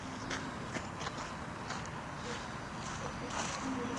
এই অপরাধ অফলাইন বিশ্বে শত শত বছর ধরে হয়ে আসছে।